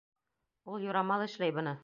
Ул юрамал эшләй быны!